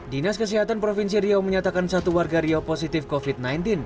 dinas kesehatan provinsi riau menyatakan satu warga riau positif covid sembilan belas